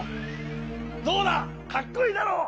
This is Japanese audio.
どうだかっこいいだろう。